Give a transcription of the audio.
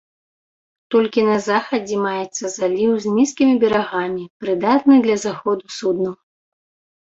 Толькі на захадзе маецца заліў з нізкімі берагамі, прыдатны для заходу суднаў.